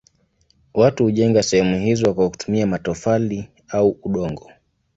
Watu hujenga sehemu hizo kwa kutumia matofali au udongo.